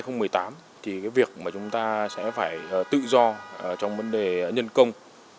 năm hai nghìn một mươi tám thì việc chúng ta sẽ phải tự do trong vấn đề nhân công